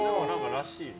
らしいね。